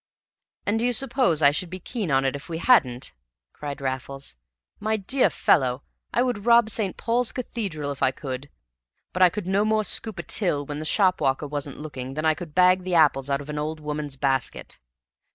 "And do you suppose I should be keen on it if we hadn't?" cried Raffles. "My dear fellow, I would rob St. Paul's Cathedral if I could, but I could no more scoop a till when the shopwalker wasn't looking than I could bag the apples out of an old woman's basket.